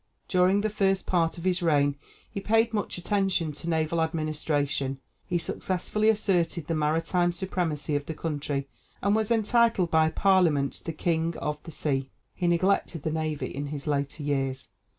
During the first part of his reign he paid much attention to naval administration; he successfully asserted the maritime supremacy of the country, and was entitled by parliament the "king of the sea;" he neglected the navy in his later years.